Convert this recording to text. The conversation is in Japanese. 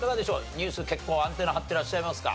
ニュース結構アンテナ張ってらっしゃいますか？